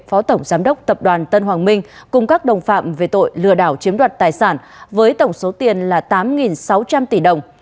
phó tổng giám đốc tập đoàn tân hoàng minh cùng các đồng phạm về tội lừa đảo chiếm đoạt tài sản với tổng số tiền là tám sáu trăm linh tỷ đồng